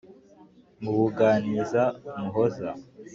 mubuganiza muhoza